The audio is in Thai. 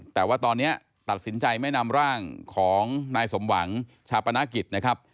แต่ว่าตอนนี้ตัดสินใจไม่นำร่างของนายสมหวังชาปนกิจนะครับ